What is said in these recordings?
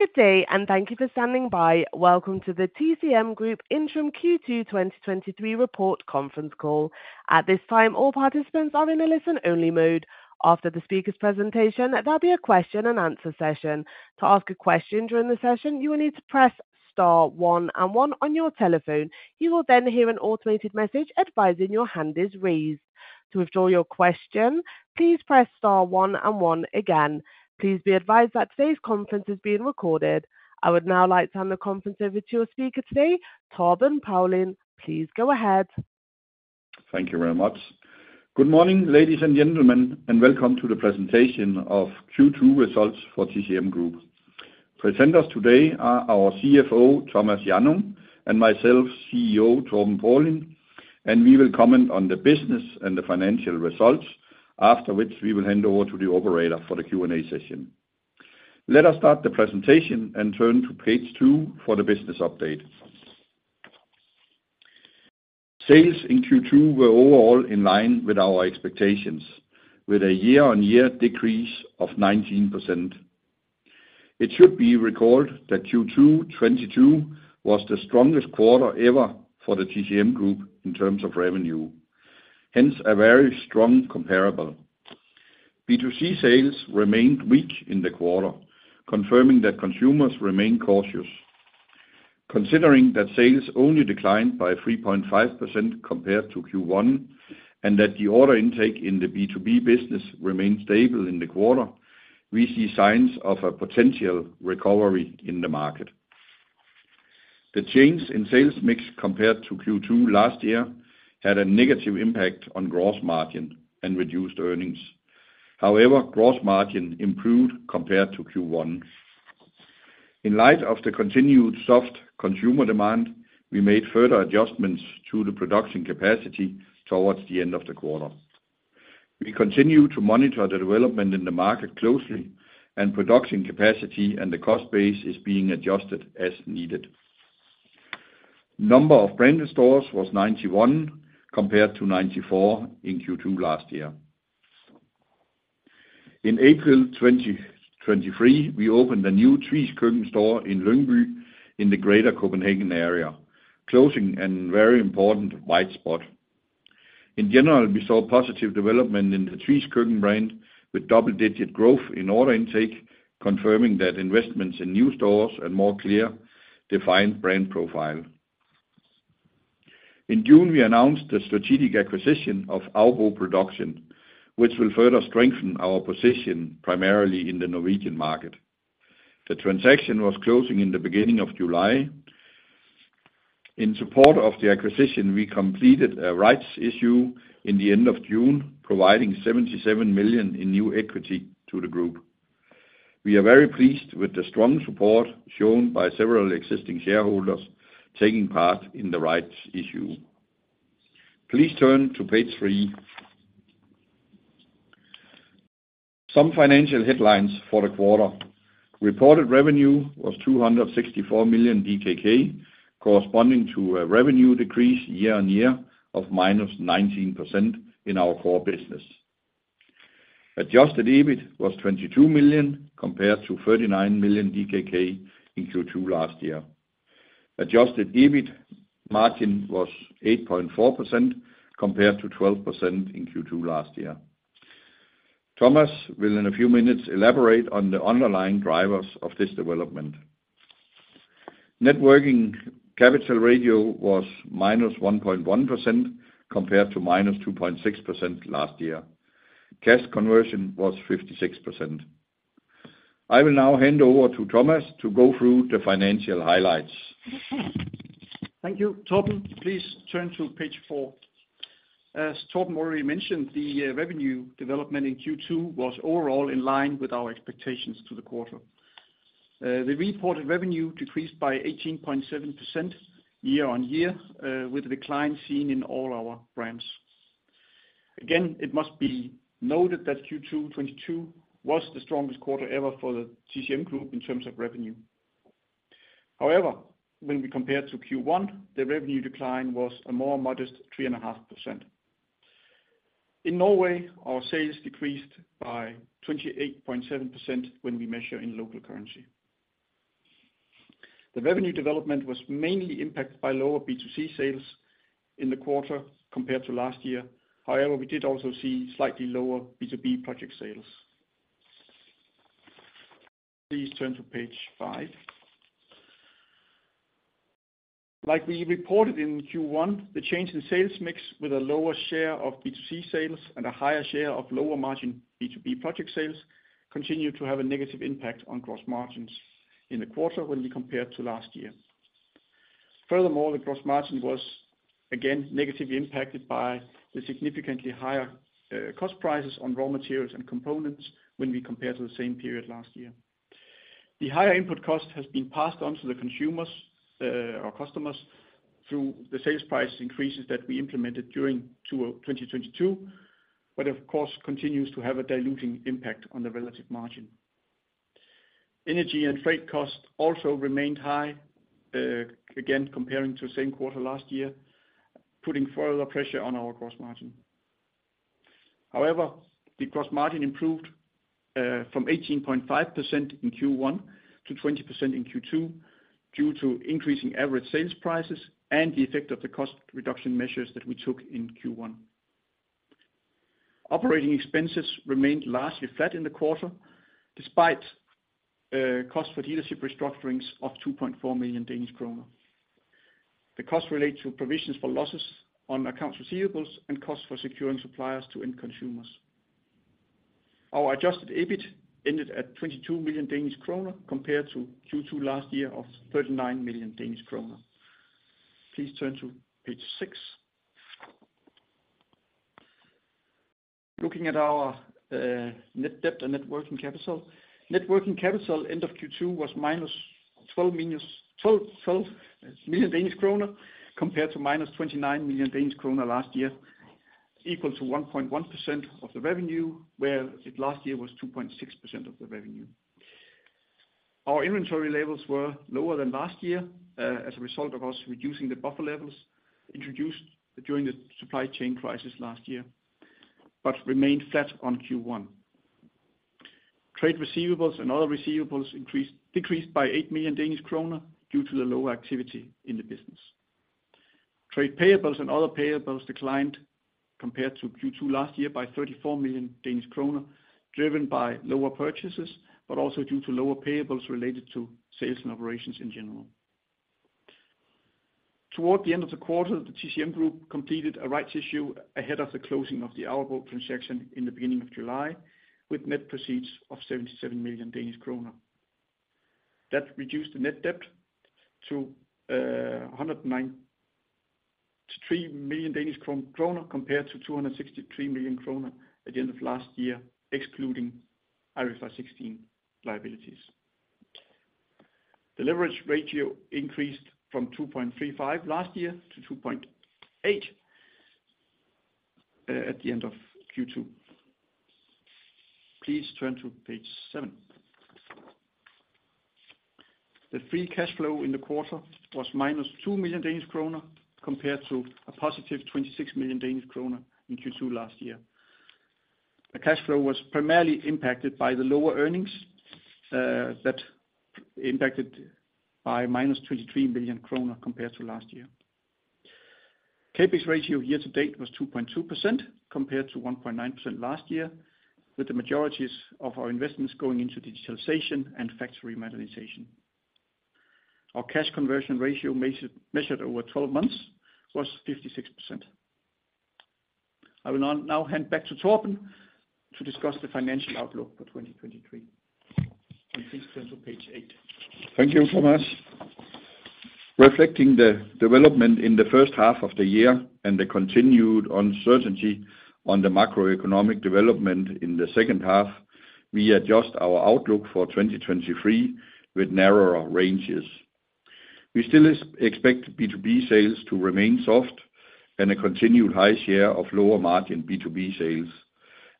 Good day, and thank you for standing by. Welcome to the TCM Group Interim Q2 2023 report conference call. At this time, all participants are in a listen-only mode. After the speaker's presentation, there'll be a question-and-answer session. To ask a question during the session, you will need to press star one and one on your telephone. You will then hear an automated message advising your hand is raised. To withdraw your question, please press star one and one again. Please be advised that today's conference is being recorded. I would now like to hand the conference over to your speaker today, Torben Paulin. Please go ahead. Thank you very much. Good morning, ladies and gentlemen, welcome to the presentation of Q2 results for TCM Group. Presenters today are our CFO, Thomas Hjannung, and myself, CEO Torben Paulin, we will comment on the business and the financial results, after which we will hand over to the operator for the Q&A session. Let us start the presentation, turn to page two for the business update. Sales in Q2 were overall in line with our expectations, with a year-on-year decrease of 19%. It should be recalled that Q2 2022 was the strongest quarter ever for the TCM Group in terms of revenue, hence a very strong comparable. B2C sales remained weak in the quarter, confirming that consumers remain cautious. Considering that sales only declined by 3.5% compared to Q1, that the order intake in the B2B business remained stable in the quarter, we see signs of a potential recovery in the market. The change in sales mix compared to Q2 last year had a negative impact on gross margin and reduced earnings. However, gross margin improved compared to Q1. In light of the continued soft consumer demand, we made further adjustments to the production capacity towards the end of the quarter. We continue to monitor the development in the market closely, and production capacity and the cost base is being adjusted as needed. Number of branded stores was 91 compared to 94 in Q2 last year. In April 2023, we opened a new Tvis Køkken store in Lyngby in the greater Copenhagen area, closing a very important white spot. We saw positive development in the Tvis Køkken brand, with double-digit growth in order intake, confirming that investments in new stores and more clear, defined brand profile. In June, we announced the strategic acquisition of Aubo Production, which will further strengthen our position, primarily in the Norwegian market. The transaction was closing in the beginning of July. In support of the acquisition, we completed a rights issue in the end of June, providing 77 million in new equity to the group. We are very pleased with the strong support shown by several existing shareholders taking part in the rights issue. Please turn to page three. Some financial headlines for the quarter. Reported revenue was 264 million DKK, corresponding to a revenue decrease year-on-year of -19% in our core business. Adjusted EBIT was 22 million, compared to 39 million DKK in Q2 last year. Adjusted EBIT margin was 8.4%, compared to 12% in Q2 last year. Thomas will, in a few minutes, elaborate on the underlying drivers of this development. Net working capital ratio was -1.1%, compared to -2.6% last year. Cash conversion was 56%. I will now hand over to Thomas to go through the financial highlights. Thank you, Torben. Please turn to page four. As Torben already mentioned, the revenue development in Q2 was overall in line with our expectations to the quarter. The reported revenue decreased by 18.7% year-on-year, with decline seen in all our brands. Again, it must be noted that Q2 2022 was the strongest quarter ever for the TCM Group in terms of revenue. However, when we compare to Q1, the revenue decline was a more modest 3.5%. In Norway, our sales decreased by 28.7% when we measure in local currency. The revenue development was mainly impacted by lower B2C sales in the quarter compared to last year. However, we did also see slightly lower B2B project sales. Please turn to page five. Like we reported in Q1, the change in sales mix with a lower share of B2C sales and a higher share of lower margin B2B project sales, continued to have a negative impact on gross margins in the quarter when we compare to last year. The gross margin was, again, negatively impacted by the significantly higher cost prices on raw materials and components when we compare to the same period last year. The higher input cost has been passed on to the consumers, or customers, through the sales price increases that we implemented during Q2 2022, but of course, continues to have a diluting impact on the relative margin. Energy and freight costs also remained high, again, comparing to the same quarter last year, putting further pressure on our gross margin. However, the gross margin improved from 18.5% in Q1 to 20% in Q2, due to increasing average sales prices and the effect of the cost reduction measures that we took in Q1. Operating expenses remained largely flat in the quarter, despite cost for dealership restructurings of 2.4 million Danish kroner. The cost relates to provisions for losses on accounts receivables and costs for securing suppliers to end consumers. Our adjusted EBIT ended at 22 million Danish kroner, compared to Q2 last year of 39 million Danish kroner. Please turn to page six. Looking at our net debt and net working capital. Net working capital end of Q2 was -12 million Danish krone, compared to -29 million Danish kroner last year, equal to 1.1% of the revenue, where it last year was 2.6% of the revenue. Our inventory levels were lower than last year, as a result of us reducing the buffer levels introduced during the supply chain crisis last year, but remained flat on Q1. Trade receivables and other receivables decreased by 8 million Danish kroner due to the lower activity in the business. Trade payables and other payables declined compared to Q2 last year, by 34 million Danish kroner, driven by lower purchases, but also due to lower payables related to sales and operations in general. Toward the end of the quarter, the TCM Group completed a rights issue ahead of the closing of the Aubo transaction in the beginning of July, with net proceeds of 77 million Danish kroner. That reduced the net debt to DKK 109 million, compared to 263 million kroner at the end of last year, excluding IFRS 16 liabilities. The leverage ratio increased from 2.35 last year to 2.8 at the end of Q2. Please turn to page seven. The free cash flow in the quarter was -2 million Danish kroner, compared to a +26 million Danish kroner in Q2 last year. The cash flow was primarily impacted by the lower earnings that impacted by -23 million kroner compared to last year. CapEx ratio year to date was 2.2%, compared to 1.9% last year, with the majorities of our investments going into digitalization and factory modernization. Our cash conversion ratio measured over 12 months was 56%. I will now hand back to Torben to discuss the financial outlook for 2023. Please turn to page eight. Thank you, Thomas. Reflecting the development in the first half of the year and the continued uncertainty on the macroeconomic development in the second half, we adjust our outlook for 2023 with narrower ranges. We still expect B2B sales to remain soft and a continued high share of lower margin B2B sales.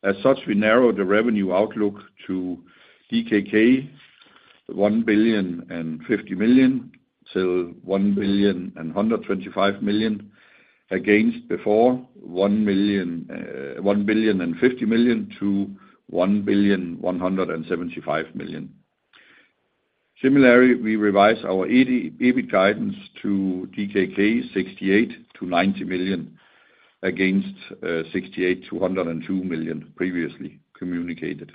As such, we narrow the revenue outlook to DKK 1 billion 50 million-DKK 1 billion 125 million, against before 1 billion 50 million-DKK 1 billion 175 million. Similarly, we revise our EBIT guidance to DKK 68 million- 90 million against 68 million-102 million previously communicated.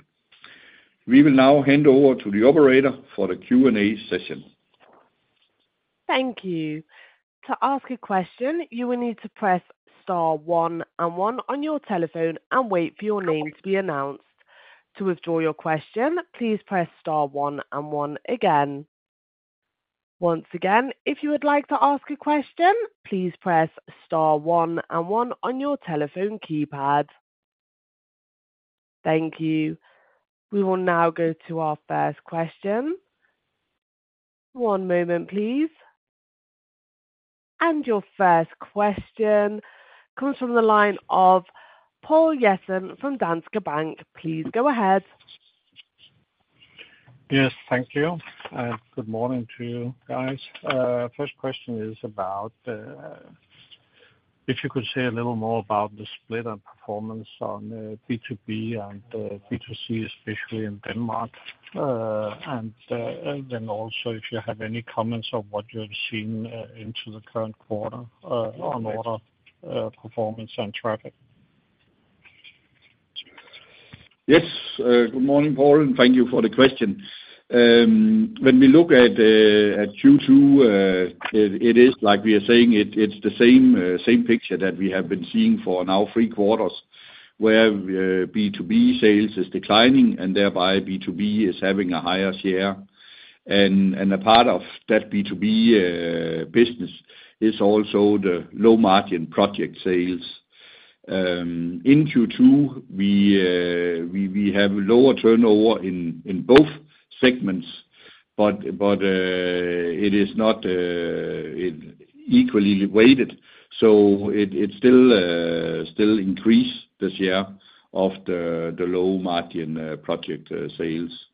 We will now hand over to the operator for the Q&A session. Thank you. To ask a question, you will need to press star one and one on your telephone and wait for your name to be announced. To withdraw your question, please press star one and one again. Once again, if you would like to ask a question, please press star one and one on your telephone keypad. Thank you. We will now go to our first question. One moment, please. Your first question comes from the line of Poul Jessen from Danske Bank. Please go ahead. Yes, thank you, and good morning to you guys. First question is about, if you could say a little more about the split and performance on B2B and B2C, especially in Denmark. Then also if you have any comments on what you have seen into the current quarter, on order performance and traffic? Yes, good morning, Poul, and thank you for the question. When we look at Q2, it is like we are saying, it's the same, same picture that we have been seeing for now three quarters, where B2B sales is declining and thereby B2B is having a higher share. A part of that B2B business is also the low margin project sales. In Q2, we have lower turnover in both segments, but it is not equally weighted. It still increase the share of the low margin project sales.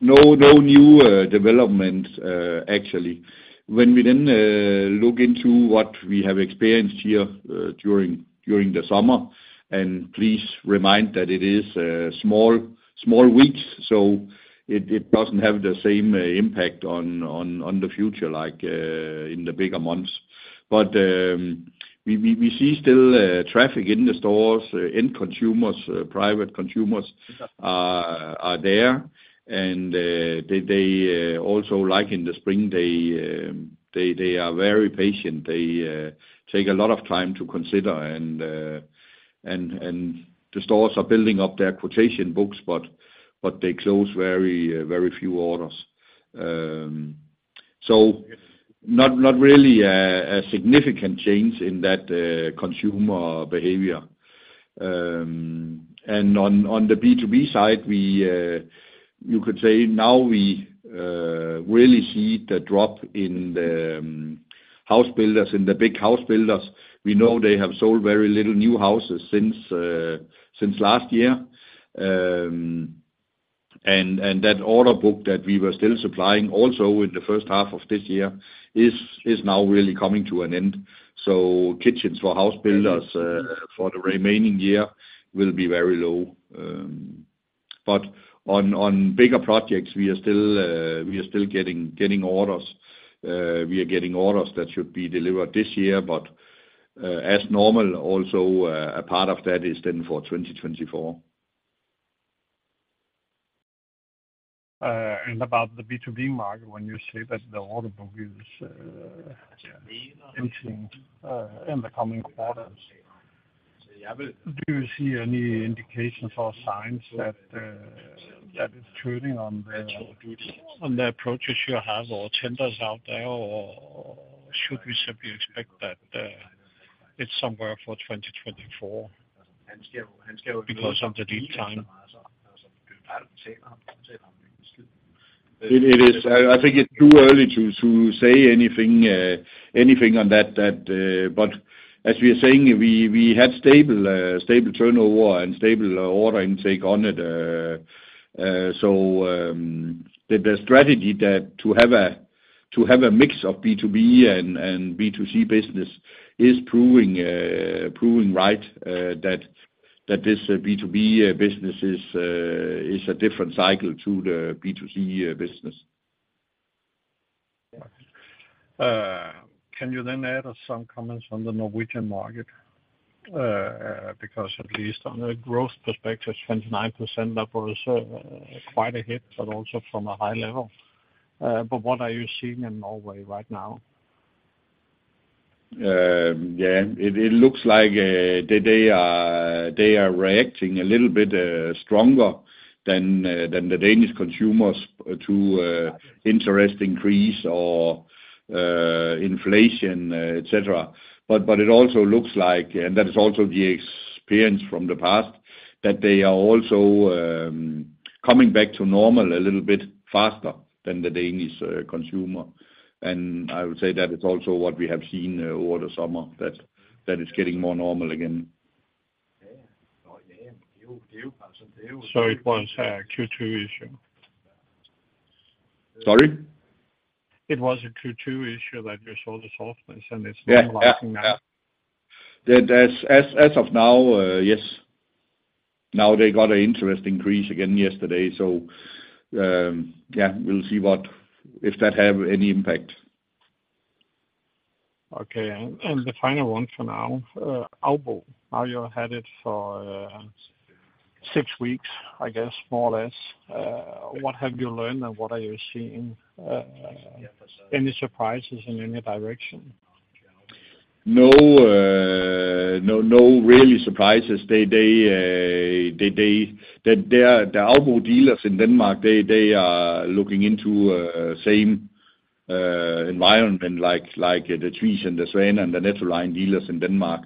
No new development, actually. We then look into what we have experienced here during, during the summer, and please remind that it is small, small weeks, so it doesn't have the same impact on, on, on the future like in the bigger months. We, we, we see still traffic in the stores, end consumers, private consumers are, are there, and they, they also like in the spring, they, they are very patient. They take a lot of time to consider and, and the stores are building up their quotation books, but, but they close very, very few orders. Not, not really a, a significant change in that consumer behavior. On, on the B2B side, we, you could say now we really see the drop in the house builders, in the big house builders. We know they have sold very little new houses since since last year. That order book that we were still supplying also in the first half of this year is, is now really coming to an end. Kitchens for house builders for the remaining year will be very low. On, on bigger projects, we are still we are still getting, getting orders. We are getting orders that should be delivered this year, as normal, also, a part of that is then for 2024. About the B2B market, when you say that the order book is entering in the coming quarters, do you see any indications or signs that it's turning on the, on the approaches you have or tenders out there? Or should we simply expect that it's somewhere for 2024 because of the lead time? I think it's too early to say anything, anything on that, that. As we are saying, we had stable, stable turnover and stable order intake on it. The strategy that to have a, to have a mix of B2B and B2C business is proving proving right, that this B2B business is a different cycle to the B2C business. Can you then add some comments on the Norwegian market? At least on a growth perspective, 29%, that was quite a hit, but also from a high level. What are you seeing in Norway right now? Yeah, it, it looks like, they, they are, they are reacting a little bit, stronger than, than the Danish consumers to, interest increase or, inflation, et cetera. It also looks like, and that is also the experience from the past, that they are also, coming back to normal a little bit faster than the Danish, consumer. I would say that is also what we have seen over the summer, that, that it's getting more normal again. It was a Q2 issue? Sorry? It was a Q2 issue that you saw the softness, and it's leveling out. Yeah. Yeah. Yeah. That as, as, as of now, yes. Now they got an interest increase again yesterday, so, yeah, we'll see if that have any impact. Okay. The final one for now, Aubo, now you've had it for, six weeks, I guess, more or less. What have you learned, and what are you seeing? Any surprises in any direction? No, no, no really surprises. They, they, they, they, the, the Aubo dealers in Denmark, they, they are looking into same environment like, like the Tvis and the Svane and the Nettoline dealers in Denmark.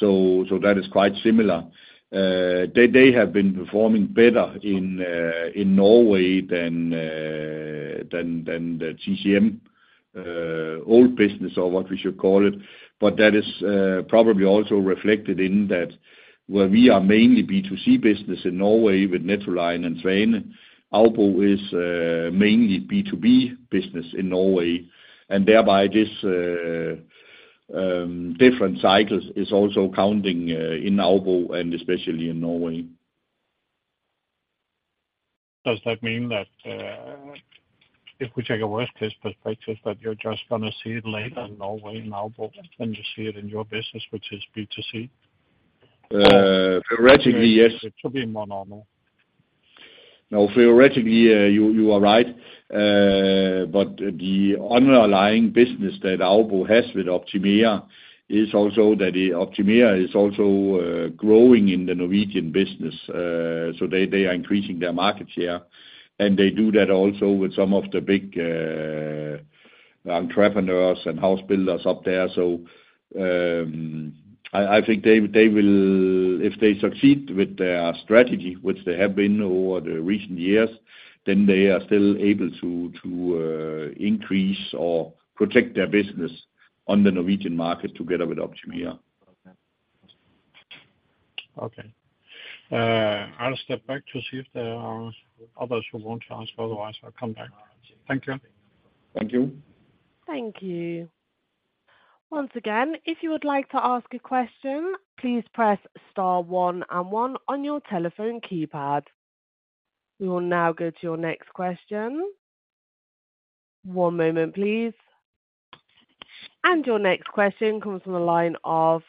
That is quite similar. They, they have been performing better in Norway than, than, than the TCM old business or what we should call it. That is probably also reflected in that where we are mainly B2C business in Norway with Nettoline and Svane, Aubo is mainly B2B business in Norway. Thereby, this different cycles is also counting in Aubo and especially in Norway. Does that mean that, if we take a worst case perspective, that you're just going to see it later in Norway in Aubo than you see it in your business, which is B2C? Theoretically, yes. It should be more normal. No, theoretically, you, you are right. The underlying business that Aubo has with Optimera is also that Optimera is also growing in the Norwegian business. They, they are increasing their market share, and they do that also with some of the big entrepreneurs and house builders up there. I, I think they, they will... If they succeed with their strategy, which they have been over the recent years, then they are still able to, to increase or protect their business on the Norwegian market together with Optimera. Okay. I'll step back to see if there are others who want to ask, otherwise I'll come back. Thank you. Thank you. Thank you. Once again, if you would like to ask a question, please press star one and one on your telephone keypad. We will now go to your next question. One moment, please. Your next question comes from the line of,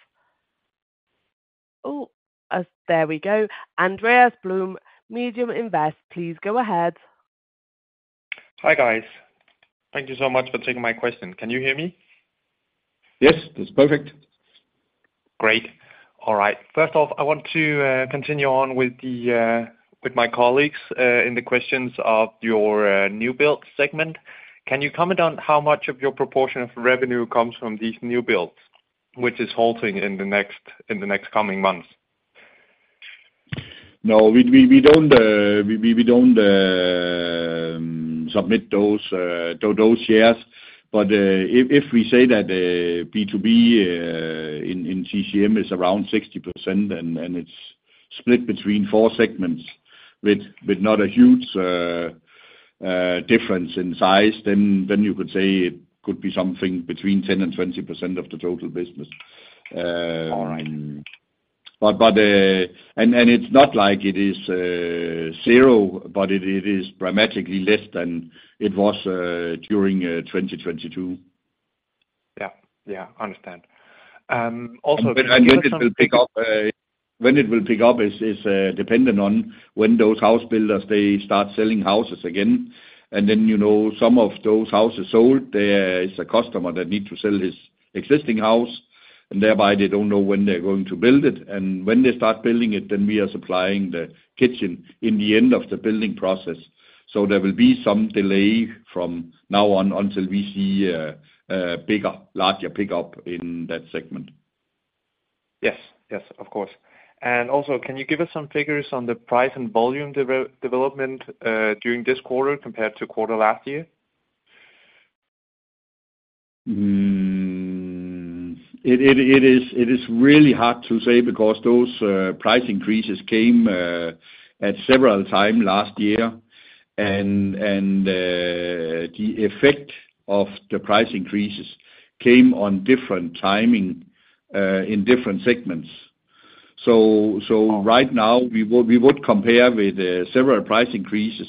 there we go, Andreas Blom, MediumInvest, please go ahead. Hi, guys. Thank you so much for taking my question. Can you hear me? Yes, it's perfect. Great. All right. First off, I want to continue on with the with my colleagues in the questions of your new build segment. Can you comment on how much of your proportion of revenue comes from these new builds, which is halting in the next, in the next coming months? No, we, we, we don't, we, we, we don't, submit those, those shares. If, if we say that B2B in TCM is around 60% and, and it's split between four segments with, with not a huge difference in size, then, then you could say it could be something between 10% and 20% of the total business. All right. But... And, and it's not like it is zero, but it, it is dramatically less than it was during 2022. Yeah. Yeah, understand. When it will pick up, when it will pick up is, is dependent on when those house builders, they start selling houses again. Then, you know, some of those houses sold, there is a customer that need to sell his existing house, and thereby they don't know when they're going to build it. When they start building it, then we are supplying the kitchen in the end of the building process. There will be some delay from now on until we see a bigger, larger pickup in that segment. Yes, yes, of course. Also, can you give us some figures on the price and volume development during this quarter compared to quarter last year? It is really hard to say because those price increases came at several time last year. The effect of the price increases came on different timing in different segments. Right now, we would compare with several price increases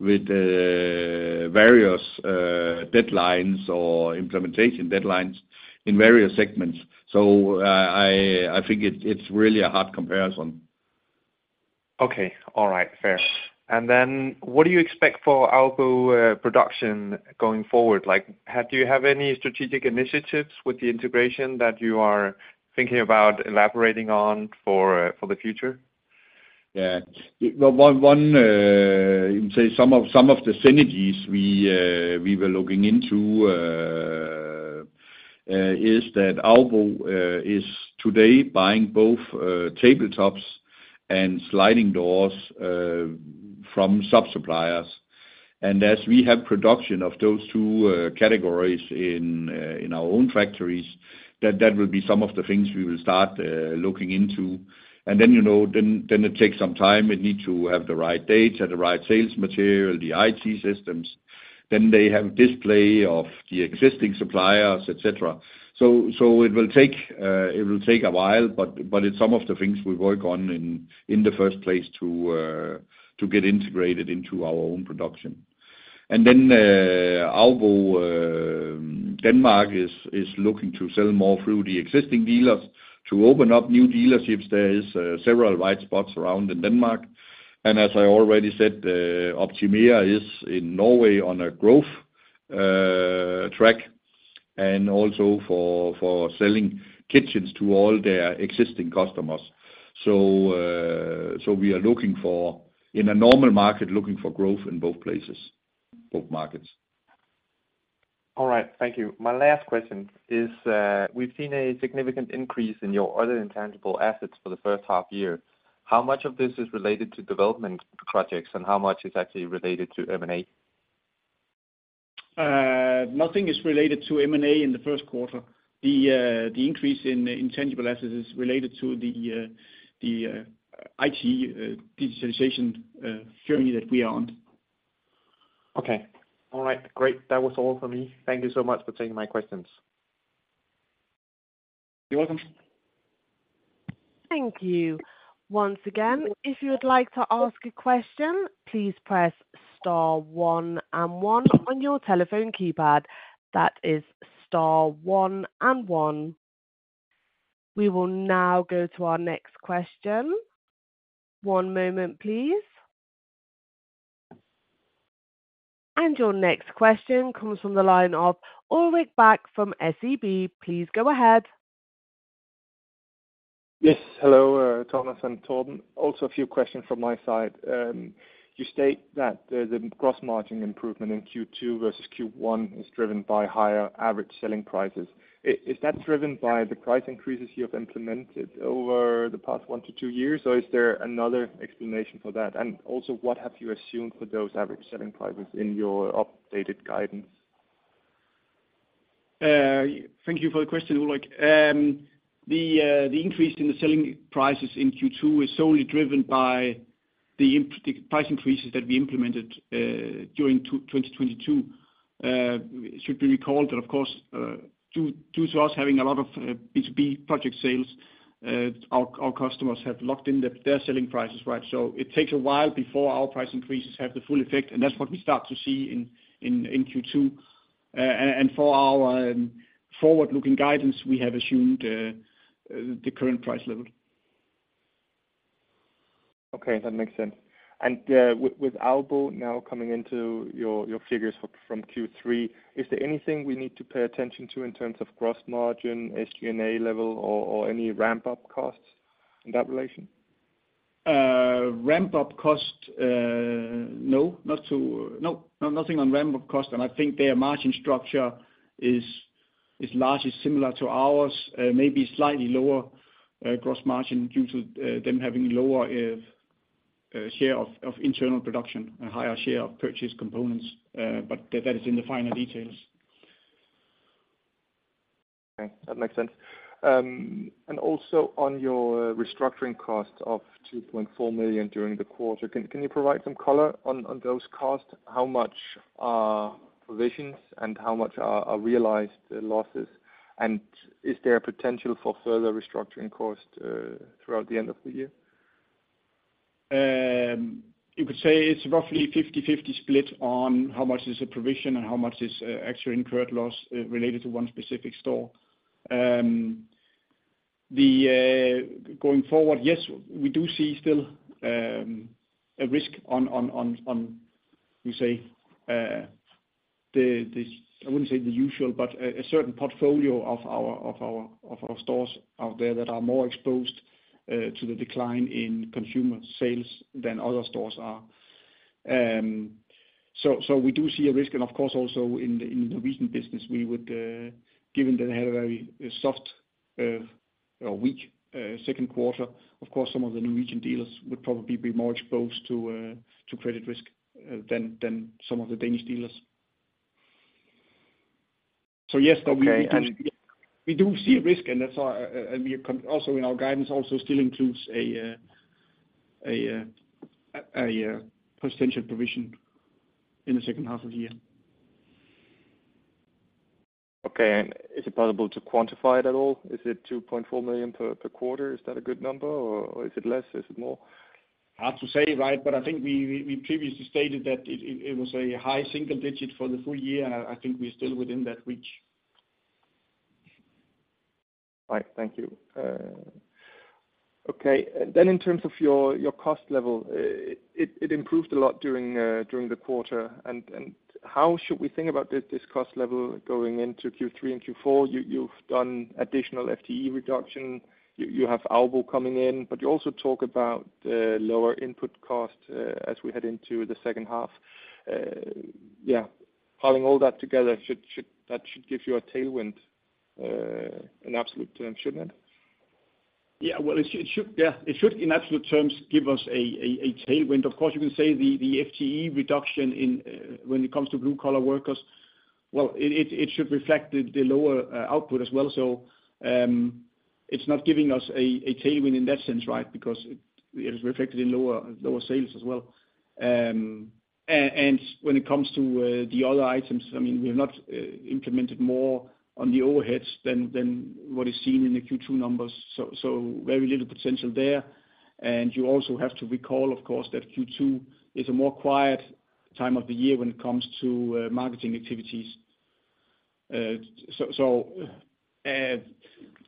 with various deadlines or implementation deadlines in various segments. I think it's really a hard comparison. Okay. All right, fair. Then what do you expect for Aubo production going forward? Like, have -- do you have any strategic initiatives with the integration that you are thinking about elaborating on for, for the future? Yeah. Well, one, one, you can say some of, some of the synergies we, we were looking into, is that Aubo is today buying both tabletops and sliding doors from sub-suppliers. As we have production of those two categories in our own factories, that, that will be some of the things we will start looking into. Then, you know, then, then it takes some time. It need to have the right data, the right sales material, the IT systems, then they have display of the existing suppliers, et cetera. It will take, it will take a while, but, but it's some of the things we work on in, in the first place to get integrated into our own production. Aubo, Denmark is looking to sell more through the existing dealers to open up new dealerships. There is several white spots around in Denmark. As I already said, Optimera is in Norway on a growth track, and also for selling kitchens to all their existing customers. We are looking for, in a normal market, looking for growth in both places, both markets. All right. Thank you. My last question is, we've seen a significant increase in your other intangible assets for the first half-year. How much of this is related to development projects, and how much is actually related to M&A? Nothing is related to M&A in Q1. The increase in intangible assets is related to the IT digitalization journey that we are on. Okay. All right, great. That was all for me. Thank you so much for taking my questions. You're welcome. Thank you. Once again, if you would like to ask a question, please press star one and one on your telephone keypad. That is star one and one. We will now go to our next question. One moment, please. Your next question comes from the line of Ulrik Bak from SEB. Please go ahead. Yes, hello, Thomas and Torben. Also, a few questions from my side. You state that the gross margin improvement in Q2 versus Q1 is driven by higher average selling prices. Is that driven by the price increases you have implemented over the past one-two years, or is there another explanation for that? Also, what have you assumed for those average selling prices in your updated guidance? Thank you for the question, Ulrich. The increase in the selling prices in Q2 is solely driven by the price increases that we implemented during 2022. It should be recalled that, of course, due to us having a lot of B2B project sales, our customers have locked in their selling prices, right? It takes a while before our price increases have the full effect, and that's what we start to see in Q2. For our forward-looking guidance, we have assumed the current price level. Okay, that makes sense. With Aubo now coming into your, your figures for, from Q3, is there anything we need to pay attention to in terms of gross margin, SG&A level, or, or any ramp-up costs in that relation? Ramp-up cost. No, no, nothing on ramp-up cost. I think their margin structure is largely similar to ours. Maybe slightly lower gross margin due to them having lower share of internal production and higher share of purchase components. That, that is in the final details. Okay, that makes sense. And also on your restructuring cost of 2.4 million during the quarter, can, can you provide some color on, on those costs? How much are provisions, and how much are, are realized losses, and is there potential for further restructuring costs throughout the end of the year? You could say it's roughly 50/50 split on how much is a provision and how much is actual incurred loss related to one specific store. Going forward, yes, we do see still a risk on, on, on, on, we say, the, the, I wouldn't say the usual, but a certain portfolio of our, of our, of our stores out there that are more exposed to the decline in consumer sales than other stores are. We do see a risk, and of course, also in the, in the recent business, we would, given that they had a very soft or weak second quarter, of course, some of the Norwegian dealers would probably be more exposed to credit risk than some of the Danish dealers. Yes. Okay. We do see a risk, and that's why, and we also in our guidance also still includes a potential provision in the second half of the year. Okay, and is it possible to quantify it at all? Is it 2.4 million per, per quarter? Is that a good number, or, or is it less, is it more? Hard to say, right? I think we, we, we previously stated that it, it, it was a high single digit for the full year, and I think we're still within that range. Right. Thank you. Okay, in terms of your, your cost level, it, it improved a lot during, during the quarter. How should we think about this, this cost level going into Q3 and Q4? You, you've done additional FTE reduction. You, you have Aalborg coming in, but you also talk about, lower input costs, as we head into the second half. Having all that together should, that should give you a tailwind, in absolute terms, shouldn't it? Yeah, well, it should, in absolute terms, give us a tailwind. Of course, you can say the FTE reduction, when it comes to blue-collar workers, well, it should reflect the lower output as well. It's not giving us a tailwind in that sense, right? Because it is reflected in lower sales as well. When it comes to the other items, I mean, we have not implemented more on the overheads than what is seen in the Q2 numbers, very little potential there. You also have to recall, of course, that Q2 is a more quiet time of the year when it comes to marketing activities.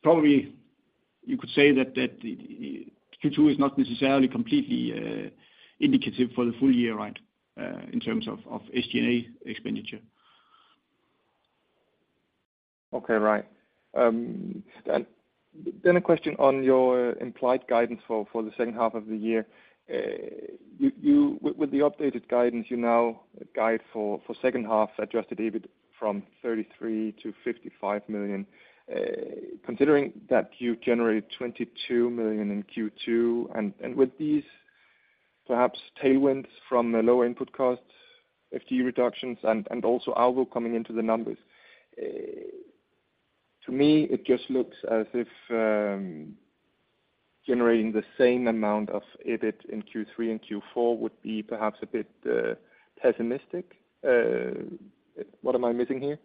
Probably you could say that, that Q2 is not necessarily completely indicative for the full year, right, in terms of SG&A expenditure. Okay, right. Then a question on your implied guidance for the second half of the year. With the updated guidance, you now guide for second half adjusted EBIT from 33 million- 55 million. Considering that you generated 22 million in Q2, with these perhaps tailwinds from the lower input costs, FTE reductions, also Aalborg coming into the numbers, to me, it just looks as if generating the same amount of EBIT in Q3 and Q4 would be perhaps a bit pessimistic. What am I missing here?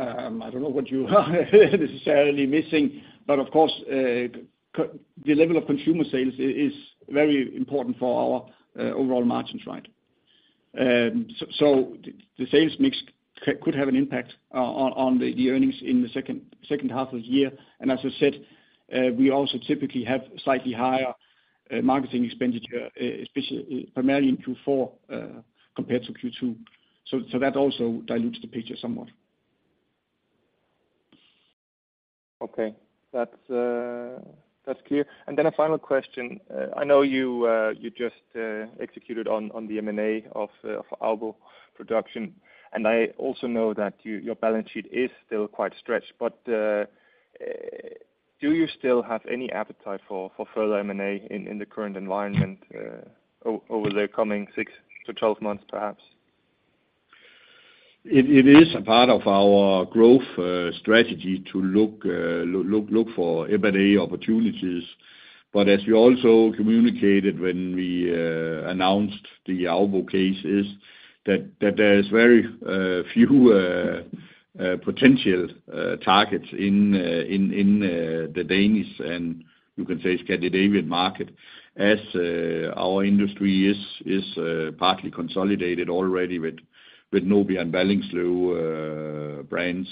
I don't know what you are necessarily missing, but of course, the level of consumer sales is very important for our overall margins, right? The sales mix could have an impact on the earnings in the second half of the year. As I said, we also typically have slightly higher marketing expenditure, especially primarily in Q4 compared to Q2. That also dilutes the picture somewhat. Okay. That's, that's clear. Then a final question. I know you just executed on the M&A of Aubo Production A/S, and I also know that your balance sheet is still quite stretched, but... Do you still have any appetite for, for further M&A in, in the current environment, over the coming six-12 months, perhaps? It, it is a part of our growth strategy to look, look, look for M&A opportunities. As we also communicated when we announced the Aubo cases, that there is very few potential targets in the Danish, and you can say Scandinavian market, as our industry is partly consolidated already with Nobia and Ballingslöv brands.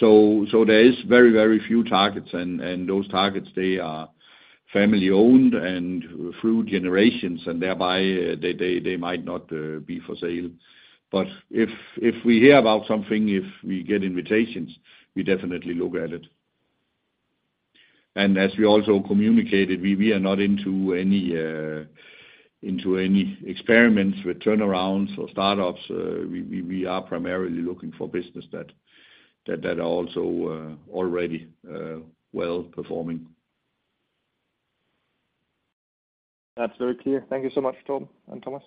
There is very, very few targets and those targets, they are family-owned and through generations, and thereby, they might not be for sale. If, if we hear about something, if we get invitations, we definitely look at it. As we also communicated, we are not into any into any experiments with turnarounds or startups. We, we are primarily looking for business that, that, that are also, already, well-performing. That's very clear. Thank you so much, Torben and Thomas.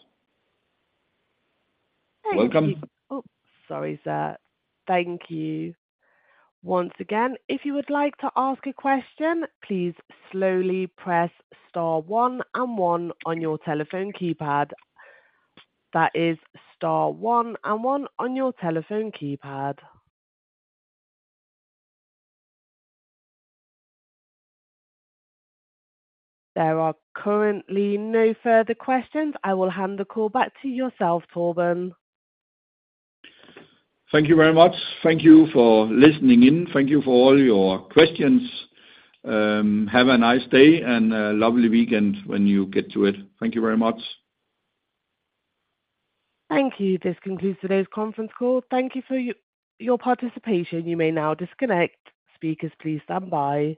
You're welcome. Oh, sorry, sir. Thank you. Once again, if you would like to ask a question, please slowly press star one and one on your telephone keypad. That is star one and one on your telephone keypad. There are currently no further questions. I will hand the call back to yourself, Torben. Thank you very much. Thank you for listening in. Thank you for all your questions. Have a nice day and a lovely weekend when you get to it. Thank you very much. Thank you. This concludes today's conference call. Thank you for your participation. You may now disconnect. Speakers, please stand by.